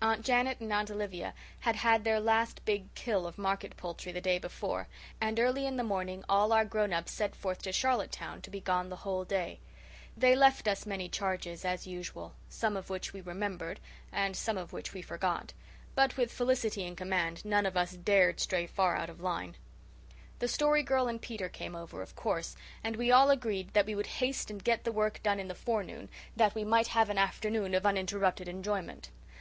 Aunt Janet and Aunt Olivia had had their last big "kill" of market poultry the day before; and early in the morning all our grown ups set forth to Charlottetown, to be gone the whole day. They left us many charges as usual, some of which we remembered and some of which we forgot; but with Felicity in command none of us dared stray far out of line. The Story Girl and Peter came over, of course, and we all agreed that we would haste and get the work done in the forenoon, that we might have an afternoon of uninterrupted enjoyment.